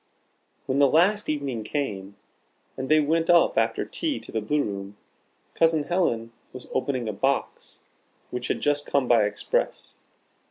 When the last evening came, and they went up after tea to the Blue room, Cousin Helen was opening a box which had just come by Express.